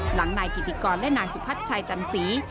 หลังนายกิติกรและนายสุพัฒน์ชัยจันสี